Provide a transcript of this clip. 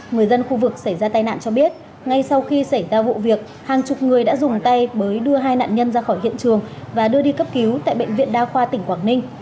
người dân khu vực xảy ra tai nạn cho biết ngay sau khi xảy ra vụ việc hàng chục người đã dùng tay bới đưa hai nạn nhân ra khỏi hiện trường và đưa đi cấp cứu tại bệnh viện đa khoa tỉnh quảng ninh